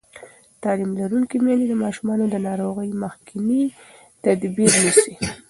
تعلیم لرونکې میندې د ماشومانو د ناروغۍ مخکینی تدبیر نیسي.